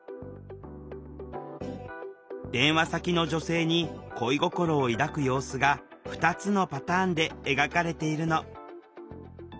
電話先の女性に恋心を抱く様子が２つのパターンで描かれているの。